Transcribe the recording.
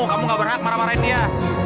kamu gak berhak marah marahin dia